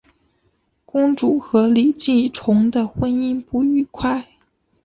公主和李继崇的婚姻不愉快。